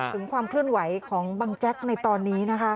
ถึงความเคลื่อนไหวของบังแจ๊กในตอนนี้นะคะ